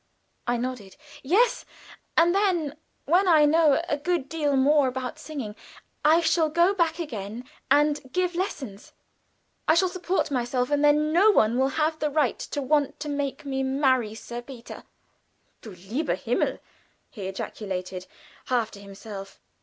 I nodded. "Yes; and then when I know a good deal more about singing, I shall go back again and give lessons. I shall support myself, and then no one will have the right to want to make me marry Sir Peter." "Du lieber Himmel!" he ejaculated, half to himself.